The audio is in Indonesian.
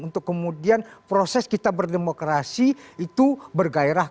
untuk kemudian proses kita berdemokrasi itu bergairah